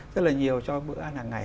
rất là nhiều cho bữa ăn hàng ngày